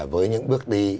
với những bước đi